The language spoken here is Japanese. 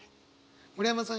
村山さん